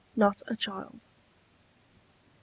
NOT A CHILD. I.